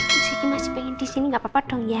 miss gigi masih pengen disini gak apa apa dong ya